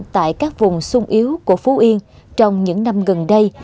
tại các vùng sung yếu của phú yên trong những năm gần đây